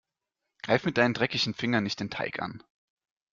Greif mit deinen dreckigen Fingern nicht den Teig an.